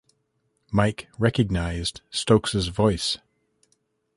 Mike recognized Stokes's voice.